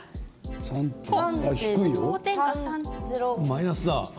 マイナスだ。